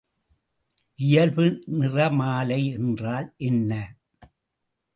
இயல்பு நிறமாலை என்றால் என்ன?